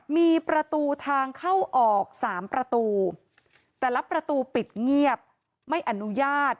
มีประตูทางเข้าออกสามประตูแต่ละประตูปิดเงียบไม่อนุญาต